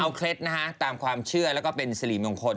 เอาเคล็ดนะฮะตามความเชื่อแล้วก็เป็นสิริมงคล